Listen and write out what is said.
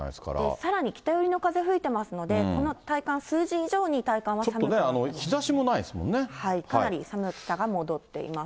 さらに北寄りの風吹いてますので、この体感、数字以上に体感ちょっと日ざしもないですもかなり寒さが戻っています。